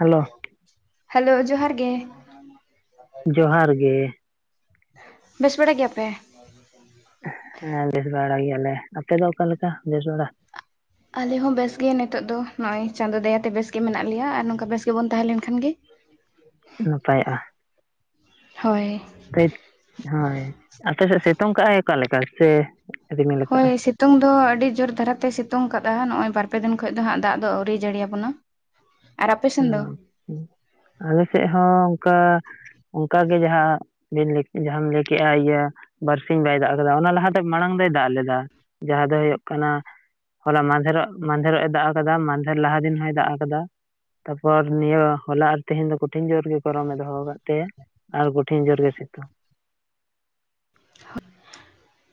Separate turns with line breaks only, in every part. Hello
hello ᱡᱚᱦᱟᱨ ᱜᱮ᱾
ᱡᱚᱦᱟᱨ ᱜᱮ᱾
ᱵᱮᱥ ᱵᱟᱲᱟ ᱜᱮᱭᱟ ᱯᱮ? [inaudible]
ᱦᱮᱸ ᱵᱮᱥ ᱵᱟᱲᱟ ᱜᱮᱭᱟᱞᱮ, ᱟᱯᱮ ᱫᱚ ᱚᱠᱟ ᱞᱮᱠᱟ ᱵᱮᱥ ᱵᱟᱲᱟ?
ᱟᱞᱮ ᱦᱚᱸ ᱵᱮᱥ ᱜᱮ ᱱᱮᱛᱚᱜ ᱫᱚ, ᱱᱚᱜᱼᱚᱭ ᱪᱟᱸᱫᱚ ᱫᱟᱭᱟᱛᱮ ᱵᱮᱥ ᱜᱮ ᱢᱮᱱᱟᱜ ᱞᱮᱭᱟ ᱟᱨ ᱱᱚᱝᱠᱟ ᱵᱮᱥ ᱜᱮᱵᱚᱱ ᱛᱟᱦᱮᱸ ᱞᱮᱱ ᱠᱷᱟᱱ ᱜᱮ᱾
ᱱᱟᱯᱟᱭᱚᱜᱼᱟ᱾
ᱦᱚᱭ᱾
[unintelligible] ᱦᱳᱭ, ᱟᱯᱮ ᱥᱮᱫ ᱥᱮᱛᱩᱝ ᱠᱟᱜᱼᱟᱭ ᱚᱠᱟ ᱞᱮᱠᱟ ᱥᱮ, ᱨᱤᱢᱤᱞ
ᱦᱳᱭ
ᱠᱟᱜᱼᱟᱭ
ᱥᱤᱛ ᱛᱩᱝ ᱫᱚ ᱟᱰᱤ ᱡᱳᱨ ᱫᱷᱟᱨᱟ ᱛᱮᱭ ᱥᱤᱛᱩᱝ ᱠᱟᱫᱼᱟ᱾ ᱱᱚᱜᱼᱚᱭ ᱵᱟᱨ ᱯᱮ ᱫᱤᱱ ᱠᱷᱚᱡ ᱫᱚ ᱦᱟᱸᱜ ᱫᱟᱜ ᱫᱚ ᱟᱹᱣᱨᱤ ᱡᱟᱹᱲᱤᱭᱟ ᱵᱚᱱᱟ᱾
[unintelligible] ᱟᱞᱮ ᱥᱮᱫ ᱦᱚᱸ ᱚᱝᱠᱟ ᱚᱝᱠᱟᱜᱮ ᱡᱟᱦᱟᱸ, ᱵᱤᱱ ᱡᱟᱦᱟᱸᱢ ᱞᱟᱹᱭ ᱠᱮᱜᱼᱟ ᱤᱭᱟᱹ ᱵᱟᱨᱥᱤᱧ ᱵᱟᱭ ᱫᱟᱜ ᱠᱟᱫᱟ ᱚᱱᱟ ᱞᱟᱦᱟᱛᱮ ᱢᱟᱲᱟᱝ ᱫᱚᱭ ᱫᱟᱜ ᱞᱮᱫᱟ᱾ ᱡᱟᱦᱟᱸ ᱫᱚ ᱦᱳᱭᱳᱜ ᱠᱟᱱᱟ ᱦᱚᱞᱟ ᱢᱟᱸᱫᱷᱮᱨᱚᱜ ᱢᱟᱸᱫᱷᱮᱨᱚᱜ ᱮ ᱫᱟᱜ ᱟᱠᱟᱫᱟ ᱢᱟᱸᱫᱷᱮᱨ ᱞᱟᱦᱟ ᱫᱤᱱ ᱦᱚᱸᱭ ᱫᱟᱜ ᱟᱠᱟᱫᱟ᱾ ᱛᱟᱯᱚᱨ ᱱᱤᱭᱟᱹ ᱦᱚᱞᱟ ᱟᱨ ᱛᱮᱦᱤᱧ ᱫᱚ ᱠᱚᱴᱷᱤᱱ ᱡᱳᱨᱜᱮ ᱜᱚᱨᱚᱢᱮ ᱫᱚᱦᱚᱣ ᱠᱟᱜ ᱛᱟᱦᱮᱸᱭᱟ᱾ ᱟᱨ ᱠᱩᱴᱷᱤᱱ ᱡᱳᱨ ᱜᱮ ᱥᱤᱛᱩᱝ᱾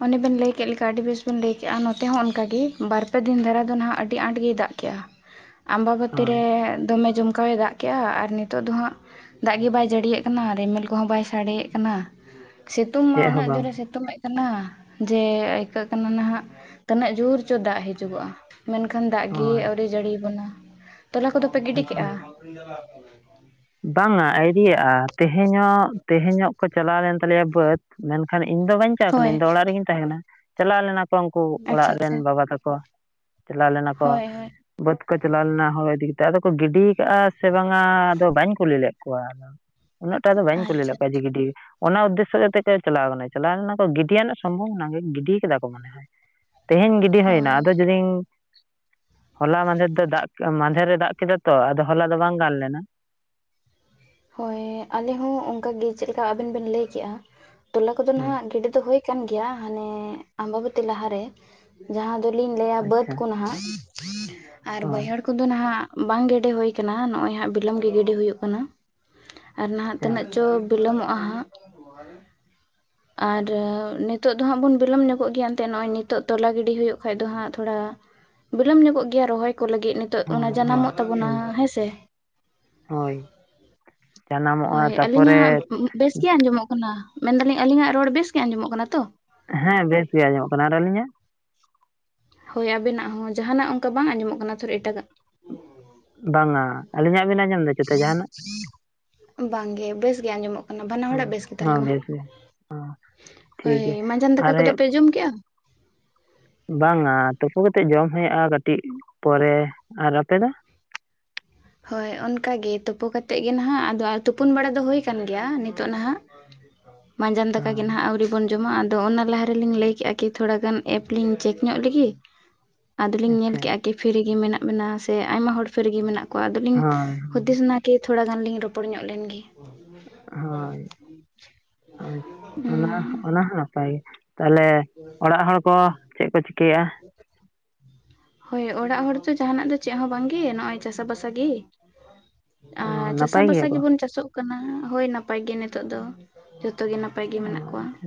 ᱚᱱᱮ ᱵᱮᱱ ᱞᱟᱹᱭ ᱠᱮᱜ ᱞᱮᱠᱟ ᱟᱹᱰᱤ ᱵᱮᱥ ᱵᱤᱱ ᱞᱟᱹᱭ ᱠᱮᱜᱼᱟ ᱱᱚᱛᱮ ᱦᱚᱸ ᱚᱱᱠᱟᱜᱮ ᱵᱟᱨ ᱯᱮ ᱫᱤᱱ ᱫᱷᱟᱨᱟ ᱫᱚ ᱱᱟᱦᱟᱜ ᱟᱹᱰᱤ ᱟᱸᱴ ᱜᱮᱭ ᱫᱟᱜ ᱠᱮᱜᱼᱟ᱾
[inaudible]
ᱟᱸᱢᱵᱟᱵᱚᱛᱤ
ᱦᱳᱭ
ᱨᱮ ᱫᱚᱢᱮ ᱡᱚᱢᱠᱟᱣᱮ ᱫᱟᱜ ᱠᱮᱜᱼᱟ ᱟᱨ ᱱᱤᱛᱚᱜ ᱫᱚ ᱦᱟᱸᱜ ᱫᱟᱜ ᱜᱤ ᱵᱟᱭ ᱡᱟᱹᱲᱤᱭᱮᱫ ᱠᱟᱱᱟ ᱨᱤᱢᱤᱞ ᱠᱚᱦᱚᱸ ᱵᱟᱭ ᱥᱟᱰᱮᱭᱮᱫ ᱠᱟᱱᱟ᱾ ᱥᱤᱛᱩᱝ ᱢᱟ
ᱪᱮᱫ ᱦᱚᱸ
ᱩᱱᱟᱹᱜ
ᱵᱟᱝ
ᱡᱚᱨᱮ ᱥᱤᱛᱩᱝ ᱮᱫ ᱠᱟᱱᱟ᱾ ᱡᱮ ᱟᱹᱭᱠᱟᱹᱜ ᱠᱟᱱᱟ ᱱᱟᱦᱟᱜ ᱛᱟᱹᱱᱟᱹᱜ ᱡᱩᱨ ᱪᱚ ᱫᱟᱜ ᱦᱤᱡᱩᱜᱚᱜᱼᱟ᱾ ᱢᱮᱱᱠᱷᱟᱱ ᱫᱟᱜ ᱜᱮ
ᱦᱳᱭ
ᱟᱹᱣᱨᱤ ᱡᱟᱹᱲᱤ ᱵᱚᱱᱟ᱾ ᱛᱚᱞᱟ ᱠᱚᱫᱚ ᱯᱮ ᱜᱤᱰᱤ ᱠᱮᱜᱼᱟ?
ᱮᱠᱫᱚᱢ ᱵᱟᱝᱟ ᱟᱨᱤᱭᱟᱜᱼᱟ, ᱛᱮ ᱛᱮᱦᱮᱧᱚᱜ, ᱛᱮᱦᱮᱧᱚᱜ ᱠᱚ ᱪᱟᱞᱟᱣ ᱞᱮᱱ ᱛᱟᱞᱮᱭᱟ ᱵᱟᱹᱫ ᱢᱮᱱᱠᱷᱟᱱ ᱤᱧ ᱫᱚ ᱵᱟᱹᱧ ᱪᱟ ᱠᱟᱹᱱᱟᱹᱧ
ᱦᱳᱭ
ᱤᱧᱫᱚ ᱚᱲᱟᱜ ᱨᱮᱜᱤᱧ ᱛᱟᱦᱮᱸ ᱠᱟᱱᱟ, ᱪᱟᱞᱟᱣ ᱞᱮᱱᱟ ᱠᱚ ᱩᱝᱠᱩ
ᱟᱪᱪᱷᱟ
ᱚᱲᱟᱜ
ᱟᱪᱪᱷᱟ
ᱨᱮᱱ ᱵᱟᱵᱟ ᱛᱟᱠᱚ ᱪᱟᱞᱟᱣ ᱞᱮᱱᱟ ᱠᱚ,
ᱦᱳᱭ ᱦᱳᱭ
ᱵᱟᱹᱫᱽ ᱠᱚ ᱪᱟᱞᱟᱣ ᱞᱮᱱᱟ ᱦᱚᱲ ᱤᱫᱤ ᱠᱟᱛᱮᱜ ᱟᱫᱚ ᱠᱚ ᱜᱤᱰᱤ ᱠᱟᱜᱼᱟ ᱥᱮ ᱵᱟᱝᱟ ᱟᱫᱚ ᱵᱟᱹᱧ ᱠᱩᱞᱤ ᱞᱮᱫ ᱠᱚᱣᱟ ᱟᱫᱚ, ᱩᱱᱟᱹᱜ ᱴᱟᱜ ᱫᱚ ᱵᱟᱹᱧ ᱠᱩᱞᱤ
ᱟᱪᱪᱷᱟ
ᱞᱮᱫ ᱠᱚᱣᱟ ᱡᱮ ᱜᱤᱰᱤ ᱚᱱᱟ ᱩᱫᱽᱫᱮᱥᱥᱚ ᱠᱟᱛᱮᱜ ᱠᱚ ᱪᱟᱞᱟᱣ ᱠᱟᱱᱟᱭ, ᱪᱟᱞᱟᱣ ᱞᱮᱱᱟ ᱠᱚ ᱜᱤᱰᱤ ᱨᱮᱱᱟᱜ ᱥᱚᱢᱵᱷᱚᱵ ᱚᱱᱟᱜᱮ ᱜᱤᱰᱤ ᱠᱟᱫᱟ ᱠᱚ ᱢᱚᱱᱮ ᱦᱚᱭ᱾ ᱛᱮᱦᱮᱧ ᱜᱤᱰᱤ ᱦᱩᱭᱱᱟ,
ᱦᱳᱭ
ᱟᱫᱚ ᱡᱩᱫᱤᱧ ᱦᱚᱞᱟ ᱢᱟᱸᱫᱷᱮᱨ ᱫᱚ ᱫᱟᱜ, ᱢᱟᱸᱦᱫᱮ ᱨᱮ ᱫᱟᱜ ᱠᱮᱫᱟ ᱛᱚ ᱟᱫᱚ ᱦᱚᱞᱟ ᱫᱚ ᱵᱟᱝ ᱜᱟᱱ ᱞᱮᱱᱟ᱾
ᱦᱚᱭ, ᱟᱞᱮ ᱦᱚᱸ ᱚᱝᱠᱟᱜᱤ ᱪᱮᱫᱞᱮᱠᱟ ᱟᱵᱮᱱ ᱵᱮᱱ ᱞᱟᱹᱭ ᱠᱮᱜᱼᱟ᱾ ᱛᱚᱞᱟ ᱠᱚᱫᱚ
ᱦᱩᱸ
ᱱᱟᱦᱟᱜ ᱜᱤᱰᱤ ᱫᱚ ᱦᱩᱭ ᱠᱟᱱ ᱜᱮᱭᱟ, ᱦᱟᱱᱮ ᱟᱸᱢᱵᱟᱵᱚᱛᱤ ᱞᱟᱦᱟᱨᱮ ᱡᱟᱦᱟᱸ ᱫᱚᱞᱤᱧ ᱞᱟᱹᱭᱟ ᱵᱟᱹᱫᱽ
ᱟᱪᱪᱷᱟ
ᱠᱚ ᱱᱟᱦᱟᱜ ᱟᱨ
ᱦᱳᱭ
ᱵᱟᱹᱭᱦᱟᱹᱲ ᱠᱚᱫᱚ ᱱᱟᱦᱟᱜ ᱵᱟᱝ ᱜᱮᱰᱮ ᱦᱩᱭ ᱠᱟᱱᱟ, ᱱᱚᱜᱼᱚᱭ ᱦᱟᱸᱜ ᱵᱤᱞᱚᱢ ᱜᱤ ᱜᱤᱰᱤ ᱦᱩᱭᱩᱜ ᱠᱟᱱᱟ᱾ ᱟᱨ ᱱᱟᱦᱟᱜ
ᱟᱪᱪᱷᱟ
ᱛᱤᱱᱟᱹᱜ ᱪᱚ ᱵᱤᱞᱚᱢᱚᱜᱼᱟ ᱦᱟᱸᱜ, ᱟᱨ ᱱᱤ
ᱦᱳᱭ
ᱱᱤᱛᱚᱜ ᱫᱚ ᱦᱟᱸᱜ ᱵᱚᱱ ᱵᱤᱞᱚᱢ ᱧᱚᱜᱚᱜ ᱜᱮᱭᱟ, ᱮᱱᱛᱮᱜ ᱱᱚᱜᱼᱚᱭ ᱱᱤᱛᱚᱜ ᱛᱚᱞᱟ ᱜᱤᱰᱤ ᱦᱩᱭᱩᱜ ᱠᱷᱟᱡ ᱫᱚ ᱦᱟᱸᱜ ᱛᱷᱚᱲᱟ᱾ ᱵᱤᱞᱚᱢ ᱧᱚᱜᱚᱜ ᱜᱮᱭᱟ ᱨᱚᱦᱚᱭ ᱠᱚ ᱞᱟᱹᱜᱤᱫ, ᱱᱤᱛᱚᱜ ᱚᱱᱟ
ᱦᱳᱭ
ᱡᱟᱱᱟᱢᱚᱜ ᱛᱟᱵᱚᱱᱟ,
ᱦᱩᱸ
ᱦᱮᱸᱥᱮ᱾
ᱦᱳᱭ ᱡᱟᱱᱟᱢᱚᱜᱼᱟ
ᱦᱳᱭ, ᱟᱹᱞᱤᱧᱟᱜ
ᱛᱟᱯᱚᱨᱮ
ᱵᱮᱥ ᱜᱮ ᱟᱸᱡᱚᱢᱚᱜ ᱠᱟᱱᱟ? ᱢᱮᱱ ᱫᱟᱞᱤᱧ ᱟᱹᱞᱤᱧᱟᱜ ᱨᱚᱲ ᱵᱮᱥᱜᱮ ᱟᱸᱡᱚᱢᱚᱜ ᱠᱟᱱᱟ ᱛᱚ?
ᱦᱮᱸ ᱵᱮᱥ ᱜᱮ ᱟᱸᱡᱚᱢᱚᱜ ᱠᱟᱱᱟ ᱟᱨ ᱟᱞᱤᱧᱟᱜ?
ᱦᱳᱭ ᱟᱵᱮᱱᱟᱜ ᱦᱚᱸ, ᱡᱟᱦᱟᱱᱟᱜ ᱚᱱᱠᱟ ᱵᱟᱝ ᱟᱸᱡᱚᱢᱚᱜ ᱠᱟᱱᱟ ᱛᱷᱚᱨ ᱮᱴᱟᱜᱟᱜ?
ᱵᱟᱝᱼᱟ! ᱟᱞᱤᱧᱟᱜ ᱵᱤᱱ ᱟᱸᱡᱚᱢ ᱫᱟ?
ᱵᱟᱝ ᱜᱮ! ᱵᱮᱥ ᱜᱮ ᱟᱸᱡᱚᱢᱚᱜ᱾ ᱵᱟᱱᱟ ᱦᱚᱲᱟᱜ ᱵᱮᱥ ᱜᱮ
ᱦᱚᱸ
ᱛᱟᱞᱟᱝᱼᱟ,
ᱵᱮᱥ ᱜᱮ ᱴᱷᱤᱠ
ᱦᱳᱭ
ᱜᱮᱭᱟ
ᱢᱟᱡᱟᱱ ᱫᱟᱠᱟ
ᱟᱨ
ᱠᱚᱫᱚ ᱯᱮ ᱡᱚᱢ ᱠᱮᱜᱼᱟ?
ᱵᱟᱝᱼᱟ! ᱛᱩᱯᱩ ᱠᱟᱛᱮᱜ ᱡᱚᱢ ᱦᱩᱭᱩᱜᱼᱟ, ᱠᱟᱴᱤᱡ ᱯᱚᱨᱮ ᱟᱨ ᱟᱯᱮ ᱫᱚ?
ᱦᱳᱭ ᱚᱱᱠᱟ ᱜᱮ ᱛᱩᱯᱩ ᱠᱟᱛᱮᱫ ᱜᱮ ᱱᱟᱦᱟᱜ, ᱟᱫᱚ ᱛᱩᱯᱩᱱ ᱵᱟᱲᱟ ᱫᱚ ᱦᱳᱭ ᱠᱟᱱ ᱜᱮᱭᱟ, ᱱᱤᱛᱚᱜ ᱱᱟᱦᱟᱜ᱾
[unintelligible]
ᱢᱟᱸᱡᱟᱱ ᱫᱟᱠᱟ ᱜᱮ
ᱦᱚᱸ
ᱱᱟᱦᱟᱜ ᱟᱹᱣᱨᱤ ᱵᱚᱱ ᱡᱚᱢᱟ, ᱟᱫᱚ ᱚᱱᱟ ᱞᱟᱦᱟ ᱨᱮᱞᱤᱧ ᱞᱟᱹᱭᱠᱮᱜᱼᱟ ᱠᱤ ᱛᱷᱚᱲᱟ ᱜᱟᱱ ᱮᱯ ᱞᱤᱧ ᱪᱮᱠ ᱧᱚᱜ ᱞᱮᱜᱮ᱾ ᱟᱫᱚᱞᱤᱧ ᱧᱮᱞ
ᱟᱪᱪᱷᱟ
ᱠᱮᱜᱼᱟ ᱠᱤ ᱯᱷᱤᱨᱤ ᱜᱮ ᱢᱮᱱᱟᱜ ᱵᱮᱱᱟ ᱥᱮ ᱟᱭᱢᱟ ᱦᱚᱲ ᱯᱷᱤᱨᱤᱜᱤ ᱢᱮᱱᱟᱜ ᱠᱚᱣᱟ᱾ ᱟᱫᱚᱞᱤᱧ
ᱦᱳᱭ
ᱦᱩᱫᱤᱥ ᱱᱟ- ᱠᱤ ᱛᱷᱚᱲᱟ ᱜᱟᱱ ᱞᱤᱧ ᱨᱚᱯᱚᱲ ᱧᱚᱜ ᱞᱮᱱ ᱜᱮ᱾ [inaudible]
ᱦᱳᱭ ᱦᱳᱭ ᱚᱱᱟ
ᱦᱩᱸ
ᱚᱱᱟ ᱦᱚᱸ ᱱᱟᱯᱟᱭ ᱜᱮ, ᱛᱟᱦᱞᱮ ᱚᱲᱟᱜ ᱦᱚᱲ ᱠᱚ ᱪᱮᱫ ᱠᱚ ᱪᱤᱠᱟᱭᱟ? [unintelligible]
ᱦᱳᱭ ᱚᱲᱟᱜ ᱦᱚᱲ ᱫᱚ ᱡᱟᱦᱱᱟᱜ ᱫᱚ ᱪᱮᱫ ᱦᱚᱸ ᱵᱟᱝ ᱜᱮ, ᱱᱚᱜᱼᱚᱭ ᱪᱟᱥᱟ ᱵᱟᱥᱟ ᱜᱮ᱾
ᱚ
ᱟᱨ
ᱱᱟᱯᱟᱭ
ᱪᱟᱥᱟ-ᱵᱟᱥᱟ
ᱜᱮᱭᱟ
ᱜᱮ
ᱠᱚ
ᱵᱚᱱ ᱪᱟᱥᱚᱜ ᱠᱟᱱᱟ᱾ ᱦᱳᱭ ᱱᱟᱯᱟᱭ ᱜᱮ ᱱᱤᱛᱚᱜ ᱫᱚ, ᱡᱚᱛᱚ ᱜᱮ ᱱᱟᱯᱟᱭ ᱜᱮ
ᱚ
ᱢᱮᱱᱟᱜ ᱠᱚᱣᱟ᱾
ᱟᱪᱪᱷᱟ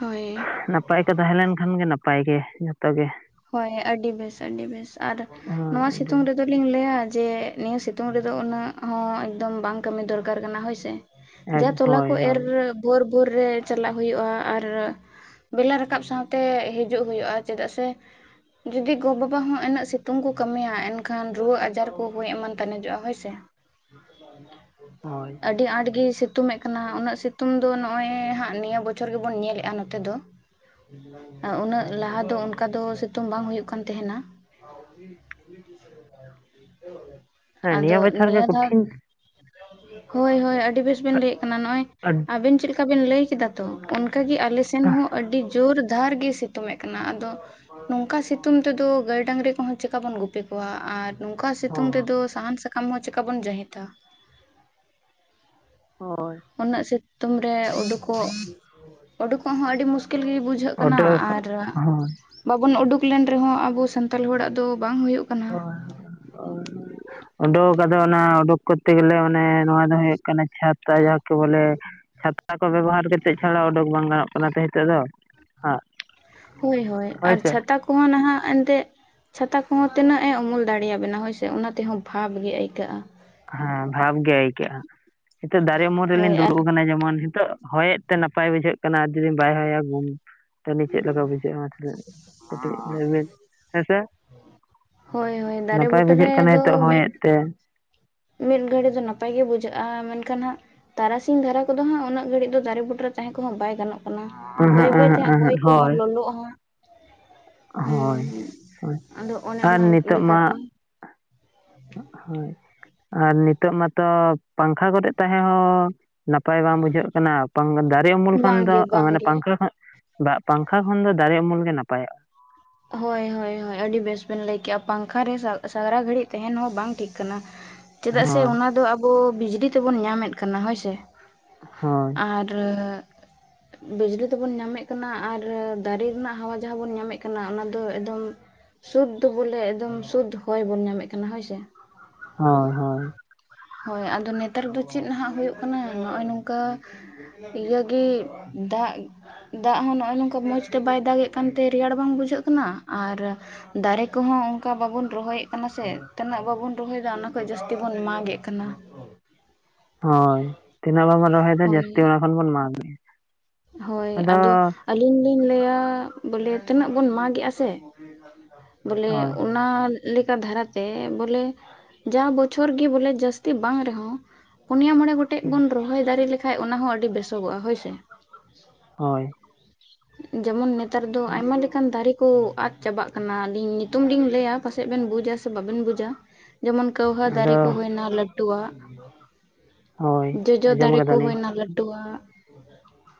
ᱦᱳᱭ!
ᱱᱟᱯᱟᱭ ᱠᱚ ᱛᱟᱦᱮᱸ ᱞᱮᱱ ᱠᱷᱟᱱ ᱜᱮ, ᱱᱟᱯᱟᱭ ᱜᱮ ᱡᱚᱛᱚ ᱜᱮ᱾
ᱦᱳᱭ! ᱟᱹᱰᱤ ᱵᱮᱥ, ᱟᱹᱰᱤ ᱵᱮᱥ ᱟᱨ
ᱦᱳᱭ
ᱱᱚᱣᱟ
ᱟᱹᱰᱤ
ᱥᱤᱛᱩᱝ ᱨᱮᱫ- ᱫᱚ ᱞᱤᱧ ᱞᱟᱹᱭᱟ ᱡᱮ ᱱᱤᱭᱟᱹ ᱥᱤᱛᱩᱝ ᱨᱮᱫᱚ ᱩᱱᱟᱹᱜ ᱦᱚᱸ ᱮᱠᱫᱚᱢ ᱵᱟᱝ ᱠᱟᱹᱢᱤ ᱫᱚᱨᱠᱟᱨ ᱠᱟᱱᱟ, ᱦᱳᱭ ᱥᱮ᱾
ᱮᱠ
ᱡᱟᱦᱟᱸ ᱛᱚᱞᱟ ᱠᱚ
ᱦᱳᱭ
ᱮᱨ
ᱦᱳᱭ
ᱵᱷᱳᱨ- ᱵᱷᱳᱨ ᱨᱮ ᱪᱟᱞᱟᱜ ᱦᱩᱭᱩᱜᱼᱟ ᱟᱨ ᱵᱮᱞᱟ ᱨᱟᱠᱟᱵ ᱥᱟᱶᱛᱮ ᱦᱤᱡᱩᱜ ᱦᱩᱭᱩᱜᱼᱟ, ᱪᱮᱫᱟᱜ ᱥᱮ ᱡᱩᱫᱤ ᱜᱚ-ᱵᱟᱵᱟ ᱦᱚᱸ ᱩᱱᱟᱹᱜ ᱥᱤᱛᱩᱝ ᱠᱚ ᱠᱟᱹᱢᱤᱭᱟ᱾ ᱮᱱᱠᱷᱟᱱ ᱨᱩᱣᱟᱹ ᱟᱡᱟᱨ ᱠᱚ ᱜᱚᱡ ᱮᱢᱟᱱ ᱛᱟᱱᱮᱡᱚᱜᱼᱟ, ᱦᱳᱭ ᱥᱮ᱾
ᱦᱳᱭ
ᱟᱹᱰᱤ ᱟᱸᱴ ᱜᱮ ᱥᱤ- ᱥᱤᱛᱩᱝ ᱮᱜ ᱠᱟᱱᱟ᱾ ᱩᱱᱟᱹᱜ ᱥᱤᱛᱩᱝ ᱫᱚ ᱱᱚᱜᱼᱚᱭ ᱦᱟᱸᱜ ᱱᱤᱭᱟᱹ ᱵᱚᱪᱷᱚᱨ ᱜᱮᱵᱚᱱ ᱧᱮᱞᱮᱜᱼᱟ, ᱱᱚᱛᱮ ᱫᱚ᱾ ᱩᱱᱟᱹᱜ
ᱦᱳᱭ
ᱞᱟᱦᱟ ᱫᱚ ᱚᱱᱠᱟ ᱫᱚ ᱥᱤᱛᱩᱝ ᱵᱟᱝ ᱦᱩᱭᱩᱜ ᱠᱟᱱ ᱛᱟᱦᱮᱸᱱᱟ᱾
ᱦᱮᱸ
ᱟᱫᱚ
ᱵᱚᱪᱷᱚᱨ ᱜᱮ
ᱱᱤᱭᱟᱹ ᱫᱷᱟᱣ
ᱠᱚᱴᱷᱤᱱ
ᱦᱳᱭ! ᱦᱳᱭ! ᱟᱹᱰᱤ ᱵᱮᱥ ᱵᱤᱱ
ᱟ-
ᱞᱟᱹᱭᱮᱫ ᱠᱟᱱᱟ, ᱱᱚᱜᱼᱚᱭ
ᱟᱹᱰ-
ᱟᱵᱤᱱ ᱪᱮᱫᱠᱟ ᱵᱤᱱ ᱞᱟᱹᱭ ᱠᱮᱫᱟ᱾ ᱛᱚ ᱚᱱᱠᱟ ᱜᱮ ᱟᱞᱮ ᱥᱮᱱ ᱦᱚᱸ, ᱟᱹᱰᱤ ᱡᱳᱨ ᱫᱷᱟᱨ ᱜᱮ ᱥᱤᱛᱩᱝ ᱮᱫ ᱠᱟᱱᱟ᱾ ᱟᱫᱚ ᱱᱚᱝᱠᱟ ᱥᱤᱛᱩᱝ ᱛᱮᱫᱚ ᱜᱟᱹᱭ-ᱰᱟᱝᱨᱤ ᱠᱚᱦᱚᱸ ᱪᱤᱠᱟ ᱵᱚᱱ ᱜᱩᱯ- -ᱯᱤ ᱠᱚᱣᱟ ᱟᱨ ᱱᱚᱝᱠᱟ ᱥᱤᱛᱩᱝ ᱨᱮ ᱫᱚ
ᱦᱳᱭ
ᱥᱟᱦᱟᱱ ᱥᱟᱠᱟᱢ ᱦᱚᱸ ᱪᱮᱠᱟ ᱵᱚᱱ ᱡᱟᱹᱦᱤ ᱫᱟ᱾
ᱦᱳᱭ!
ᱩᱱᱟᱹᱜ ᱥᱤᱛᱩᱝ ᱨᱮ ᱩᱰᱩᱠᱚᱜ, ᱩᱰᱩᱠᱚᱜ ᱦᱚᱸ ᱟᱹᱰᱤ ᱢᱩᱥᱠᱤᱞ ᱜᱮ ᱵᱩᱡᱷ- ᱵᱩᱡᱷᱟᱹᱜ ᱠᱟᱱᱟ
ᱚᱰᱚᱠ ᱦᱳᱭ
ᱟᱨ
ᱦᱳᱭ
ᱵᱟᱵᱚᱱ ᱩᱰᱩᱠ ᱞᱮᱱ ᱨᱮ ᱦᱚᱸ, ᱟᱵᱚ ᱥᱟᱱᱛᱟᱲ ᱦᱚᱲᱟᱜ ᱫᱚ ᱵᱟᱝ ᱦᱩᱭᱩᱜ ᱠᱟᱱᱟ
ᱩᱰᱩᱠ ᱟᱫᱟ ᱚᱱᱟ ᱩᱰᱩᱠ ᱠᱚᱨ ᱛᱮ ᱜᱮᱞᱮ ᱢᱟᱱᱮ ᱱᱚᱣᱟ ᱫᱚ ᱦᱩᱭᱩᱜ ᱠᱟᱱᱟ, ᱪᱷᱟᱛᱟ ᱡᱟᱦᱟᱸ ᱠᱤ ᱵᱚᱞᱮ ᱪᱷᱟ- ᱛᱟ ᱠᱚ ᱵᱮᱵᱚᱦᱟᱨ ᱠᱟᱛᱮᱫ ᱪᱷᱟᱲᱟ ᱚᱰᱩᱠ ᱵᱟᱝ ᱜᱟᱱᱚᱜ ᱠᱟᱱᱟ ᱛᱚ᱾ ᱦᱤᱛᱚᱜ ᱫᱚ ᱟᱨ
ᱦᱳᱭ ᱦᱳᱭ ᱟᱨ ᱪᱷᱟᱛᱟ ᱠᱚᱦᱚᱸ ᱱᱟᱦᱟᱜ ᱮᱱᱛᱮ ᱪᱷᱟᱛᱟ ᱠᱚᱦᱚᱸ ᱛᱤᱱᱟᱹᱜ ᱮ ᱩᱢᱩᱞ ᱫᱟᱲᱮᱭᱟᱵᱮᱱᱟ, ᱦᱳᱭ ᱥᱮ᱾ ᱚᱱᱟ ᱛᱮᱦᱚᱸ ᱵᱷᱟᱵᱽ ᱜᱮ ᱟᱹᱭᱠᱟᱹᱜᱼᱟ᱾
ᱦᱮᱸ ᱵᱷᱟᱵᱽ ᱜᱮ ᱟᱹᱭᱠᱟᱹᱜᱼᱟ᱾ ᱱᱤᱛᱚᱜ ᱫᱟᱨᱮ ᱩᱢᱩᱞ
ᱦᱳᱭ
ᱨᱮᱞᱤᱧ
ᱟᱨ
ᱫᱩᱲᱩᱵ ᱟᱠᱟᱱᱟ, ᱡᱮᱢᱚᱱ ᱱᱤᱛᱚᱜ ᱦᱚᱭᱮᱫ- ᱛᱮ ᱱᱟᱯᱟᱭ ᱵᱩᱡᱷᱟᱹᱜ ᱠᱟᱱᱟ, ᱡᱩᱫᱤ ᱵᱟᱭ ᱦᱚᱭᱟ ᱜᱩᱢ- ᱛᱟᱦᱚᱞᱮ ᱪᱮᱫ ᱞᱮᱠᱟ ᱵᱩᱡᱷᱟᱹᱜᱼᱟ, ᱛᱟᱦᱚᱞᱮ ᱠᱟᱹᱴᱤᱡ ᱞᱟᱹᱭᱵᱤᱱ ᱦᱮᱸᱥᱮ?
ᱦᱳᱭ ᱦᱳᱭ ᱫᱟᱨᱮ
ᱱᱟᱯᱟᱭ
ᱵᱩᱴᱟᱹ
ᱵᱩᱡᱷᱟᱹᱜ ᱠᱟᱱᱟ,
ᱨᱮᱫᱚ
ᱱᱤᱛᱳᱜ ᱦᱚᱭ
ᱢᱤᱫ
ᱮᱫ ᱛᱮ᱾
ᱢᱤᱫ ᱜᱷᱟᱹᱲᱤᱡ ᱫᱚ ᱱᱟᱯᱟᱭ ᱜᱮ ᱵᱩᱡᱷᱟᱹᱜᱼᱟ᱾ ᱢᱮᱱᱠᱷᱟᱱ ᱦᱟᱸᱜ ᱛᱟᱨᱟᱥᱤᱧ ᱫᱷᱟᱨᱟ ᱠᱚᱫᱚ ᱦᱟᱸᱜ ᱩᱱᱟᱹᱜ ᱜᱷᱟᱹᱲᱤᱡ ᱫᱚ ᱫᱟᱨᱮ ᱵᱩᱴᱟᱹᱨᱮ ᱛᱟᱦᱮᱸ ᱠᱚᱦᱚᱸ ᱵᱟᱭ ᱜᱟᱱᱚᱜ᱾ ᱠᱟᱱᱟ ᱵᱟᱹᱭ
ᱚᱸᱦᱚᱸᱜ
ᱵᱟᱹᱭ ᱛᱮ
ᱚᱸᱦᱚᱸᱜ
ᱦᱟᱸᱜ
ᱚᱸᱦᱚᱸᱜ
ᱦᱚᱭ ᱠᱚᱦᱚᱸ
ᱦᱳᱭ
ᱞᱚᱞᱚᱜ-ᱟ ᱦᱟᱸᱜ᱾ ᱦᱩᱸ
ᱦᱳᱭ ᱦᱳᱭ
ᱟᱫᱚ ᱚᱱᱮ
ᱟᱨ
ᱚᱱᱟ
ᱱᱤᱛᱚᱜ ᱢᱟ
ᱞᱮᱠᱟᱛᱮ᱾
ᱦᱳᱭ ᱟᱨ ᱱᱤᱛᱳᱜ ᱢᱟᱛᱚ ᱯᱟᱝᱠᱷᱟ ᱠᱚᱨᱮᱜ ᱛᱟᱦᱮᱸ ᱦᱚᱸ ᱱᱟᱯᱟᱭ ᱵᱟᱝ ᱵᱩᱡᱷᱟᱹᱜ ᱠᱟᱱᱟ ᱫᱟᱨᱮ ᱩᱢᱩᱞ ᱠᱷᱟᱱ ᱫᱚ
ᱵᱟᱝᱜᱮ
ᱢᱟᱱᱮ
ᱵᱟᱝᱜᱮ
ᱯᱟᱝᱠᱷᱟ ᱠᱷᱚᱱ ᱫᱟᱜ ᱯᱟᱝᱠᱷᱟ ᱠᱷᱚᱱ ᱫᱚ ᱫᱟᱨᱮ ᱩᱢᱩᱞ ᱜᱮ ᱱᱟᱯᱟᱭᱚᱜ-ᱟ᱾
ᱦᱳᱭ ᱦᱳᱭ ᱦᱳᱭ ᱟᱹᱰᱤ ᱵᱮᱥ ᱵᱮᱱ ᱞᱟᱹᱭ ᱠᱮᱫ-ᱟ ᱯᱟᱝᱠᱷᱟ ᱨᱮ ᱥᱟᱨᱟ ᱜᱷᱟᱹᱲᱤᱡ ᱛᱟᱦᱮᱱ ᱦᱚᱸ ᱵᱟᱝ ᱴᱷᱤᱠ ᱠᱟᱱᱟ᱾
[inaudible]
ᱪᱮᱫᱟᱜ ᱥᱮ ᱚᱱᱟ ᱫᱚ ᱟᱵᱚ ᱵᱤᱡᱽᱞᱤ ᱛᱮᱵᱚᱱ ᱧᱟᱢᱮᱫ ᱠᱟᱱᱟ ᱦᱳᱭᱥᱮ᱾
ᱦᱳᱭ
ᱟᱨ ᱵᱤᱡᱽᱞᱤ ᱛᱮᱵᱚᱱ ᱧᱟᱢᱮᱫ ᱠᱟᱱᱟ ᱟᱨ ᱫᱟᱨᱮ ᱨᱮᱱᱟᱜ ᱦᱟᱣᱟ ᱡᱟᱦᱟᱸ ᱵᱚᱱ ᱧᱟᱢᱮᱫ ᱠᱟᱱᱟ ᱠᱟᱱᱟ ᱚᱱᱟ ᱫᱚ ᱮᱠᱫᱚᱢ ᱥᱩᱫᱽ ᱫᱚ ᱵᱚᱞᱮ ᱮᱠᱫᱚᱢ ᱥᱩᱫᱽ ᱦᱚᱭ ᱵᱚᱱ ᱧᱟᱢᱮᱫ ᱠᱟᱱᱟ ᱦᱳᱭᱥᱮ᱾
ᱦᱳᱭ ᱦᱳᱭ
ᱦᱳᱭ ᱟᱫᱚ ᱱᱮᱛᱟᱨ ᱫᱚ ᱪᱮᱫ ᱱᱟᱦᱟᱜ ᱦᱩᱭᱩᱜ ᱠᱟᱱᱟ ᱱᱚᱜ-ᱚᱭ ᱱᱚᱝᱠᱟ ᱤᱭᱟᱹᱜᱮ ᱫᱟᱜ ᱫᱟᱜ ᱦᱚᱸ ᱱᱚᱜ-ᱚᱭ ᱱᱚᱝᱠᱟ ᱢᱚᱡᱽ ᱛᱮ ᱵᱟᱭ ᱫᱟᱜ ᱮᱜ ᱠᱟᱱᱛᱮ ᱨᱮᱭᱟᱲ ᱵᱟᱝ ᱵᱩᱡᱷᱟᱹᱜ ᱠᱟᱱᱟ ᱟᱨ ᱫᱟᱨᱮ ᱠᱚᱦᱚᱸ ᱚᱱᱠᱟ ᱵᱟᱵᱚᱱ ᱨᱚᱦᱚᱭᱮᱫ ᱠᱟᱱᱟ ᱥᱮ ᱛᱤᱱᱟᱹᱜ ᱵᱟᱵᱚᱱ ᱨᱚᱦᱚᱭᱫᱟ ᱚᱱᱟ ᱠᱷᱚᱡ ᱡᱟᱹᱥᱛᱤ ᱵᱚᱱ ᱢᱟᱜ ᱮᱫ ᱠᱟᱱᱟ᱾
ᱦᱳᱭ ᱛᱤᱱᱟᱹᱜ ᱵᱟᱵᱚᱱ ᱨᱚᱦᱚᱭ ᱫᱟ
ᱦᱳᱭ
ᱡᱟᱹᱥᱛᱤ ᱚᱱᱟ ᱠᱷᱚᱱ ᱵᱚᱱ ᱢᱟᱜ ᱫᱟ᱾
ᱦᱳᱭ ᱟᱫᱚ ᱟᱞᱤᱧ ᱞᱤᱧ ᱞᱟᱹᱭᱟ ᱵᱚᱞᱮ ᱛᱤᱱᱟᱹᱜ ᱵᱚᱱ ᱢᱟᱜᱮᱫ-ᱟᱥᱮ ᱵᱚᱞᱮ
ᱦᱳᱭ
ᱚᱱᱟ ᱞᱮᱠᱟ ᱫᱷᱟᱨᱟᱛᱮ ᱵᱚᱞᱮ ᱡᱟ ᱵᱚᱪᱷᱚᱨ ᱜᱮ ᱵᱚᱞᱮ ᱡᱟᱹᱥᱛᱤ ᱵᱟᱝ ᱨᱮᱦᱚᱸ ᱯᱩᱱᱭᱟ ᱢᱚᱬᱮ ᱜᱚᱴᱮᱡ ᱵᱚᱱ ᱨᱚᱦᱚᱭ ᱫᱟᱲᱮ ᱞᱮᱠᱟᱱ ᱚᱱᱟ ᱦᱚᱸ ᱟᱹᱰᱤ ᱵᱮᱥᱚᱜᱚᱜ-ᱟ ᱦᱳᱭᱥᱮ᱾
ᱦᱳᱭ
ᱡᱮᱢᱚᱱ ᱱᱮᱛᱟᱨ ᱫᱚ ᱟᱭᱢᱟ ᱞᱮᱠᱟᱱ ᱫᱟᱨᱮ ᱠᱚ ᱟᱫ ᱪᱟᱵᱟᱜ ᱠᱟᱱᱟ ᱟᱞᱤᱧ ᱧᱩᱛᱩᱢ ᱞᱤᱧ ᱞᱟᱹᱭᱟ ᱯᱟᱥᱮᱡ ᱵᱮᱱ ᱵᱩᱡᱟ ᱥᱮ ᱵᱟᱵᱮᱱ ᱵᱩᱡᱟ ᱡᱮᱢᱚᱱ ᱠᱟᱹᱣᱦᱟᱹ ᱫᱟᱨᱮ
ᱟᱫᱚ
ᱠᱚ ᱦᱩᱭᱱᱟ ᱞᱟᱹᱴᱩᱣᱟᱜ
ᱦᱳᱭ
ᱡᱚᱡᱚ
ᱟᱸᱡᱚᱢ
ᱫᱟᱨᱮ ᱠᱚ
ᱠᱟᱫᱟᱞᱤᱧ
ᱦᱩᱭᱱᱟ ᱞᱟᱹᱴᱩᱣᱟᱜ᱾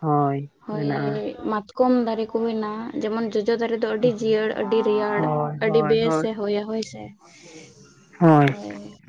ᱦᱳᱭ
ᱦᱳᱭ
ᱢᱮᱱᱟᱜᱼᱟ
ᱢᱟᱛᱠᱚᱢ ᱫᱟᱨᱮ ᱠᱚ ᱦᱩᱭᱱᱟ ᱡᱮᱢᱚᱱ ᱡᱚᱡᱚ ᱫᱟᱨᱮ ᱫᱚ ᱟᱹᱰᱤ ᱡᱤᱭᱟᱹᱲ ᱟᱹᱰᱤ ᱨᱮᱭᱟᱲ
ᱦᱳᱭ
ᱟᱹᱰᱤ
ᱦᱳᱭ ᱦᱳᱭ
ᱵᱮᱥᱮ ᱦᱳᱭᱟ ᱦᱳᱭᱥᱮ᱾
ᱦᱳᱭ
[unintelligible]